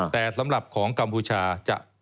แต่สำหรับของกัมพูชาจะ